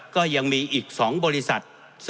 ก็ยังมีอีก๒บริษัท